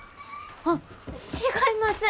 あっ違います！